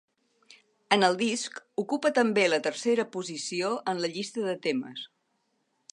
En el disc ocupa també la tercera posició en la llista de temes.